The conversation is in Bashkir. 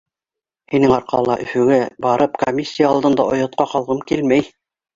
Һинең арҡала, Өфөгә барып, комиссия алдында оятҡа ҡалғым килмәй.